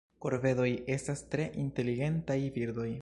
Korvedoj estas tre inteligentaj birdoj.